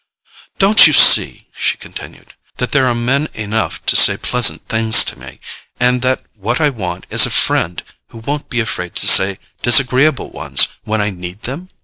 "Don't you see," she continued, "that there are men enough to say pleasant things to me, and that what I want is a friend who won't be afraid to say disagreeable ones when I need them?